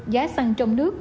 giá xăng trong nước